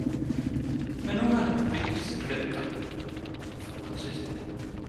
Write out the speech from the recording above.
men nu har han vist glemt dig for prinsessen!